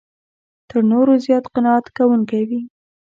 تر نورو زیات قناعت کوونکی وي.